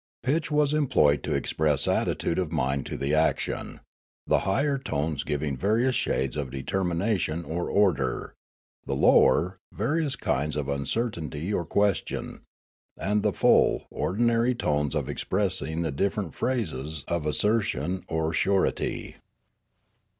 Pitch was employed to express attitude of mind to the action ; the higher tones giving various shades of determination or order, the lower, various kinds of uncertainty or question, and the full, ordinary tones expressing the different phases of assertion or surety.